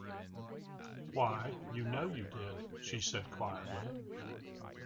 “Why, you know you did,” she said quietly.